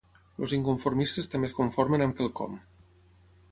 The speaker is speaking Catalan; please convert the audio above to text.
Els inconformistes també es conformen amb quelcom.